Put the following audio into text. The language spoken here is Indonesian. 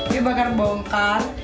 dia bakar bongkar